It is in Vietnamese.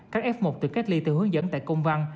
các f một tự cách ly từ hướng dẫn tại công văn